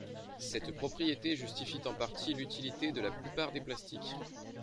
Cette propriété justifie en partie l'utilité de la plupart des plastiques.